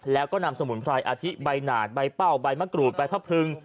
แล้วก็นำสมุนไพรอาทิใบหนาดใบเป้าใบมะกรูดใบพระพรึง